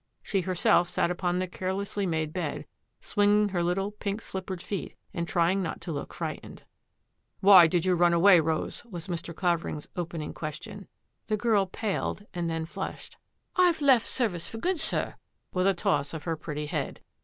She herself sat upon the carelessly made bed, swinging her little pink slippered feet and trying not to look frightened. " Why did you run away, Rose? " was Mr. Co vering's opening question. The girl paled and then flushed. " I've left service for good, sir," with a toss of her pretty head.